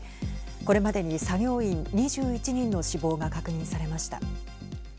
これまでに作業員２１人の死亡が確認されました。